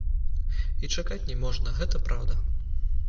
І чакаць не можна, гэта праўда!